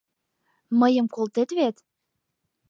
Мыйым колтет вет?